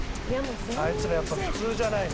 「あいつらやっぱ普通じゃないな」